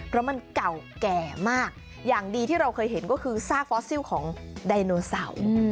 เพราะมันเก่าแก่มากอย่างดีที่เราเคยเห็นก็คือซากฟอสซิลของไดโนเสาร์